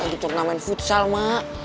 yang dicurna main futsal mak